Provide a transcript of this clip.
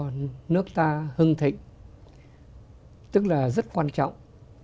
đó là số một để làm cho nước ta hưng thịnh tức là rất quan trọng